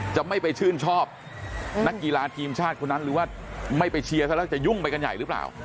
จะไม่ไปชื่นชอบนักกีฬาทีมชาติคนนั้นหรือว่าไม่ไปเชียร์ซะแล้วจะยุ่งไปกันใหญ่หรือเปล่า